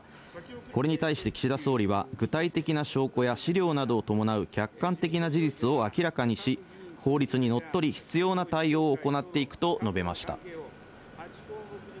これに対して、岸田総理は、具体的な証拠や資料などを伴う客観的な事実を明らかにし、法律にのっとり、必要な対応を行っていくと述べました。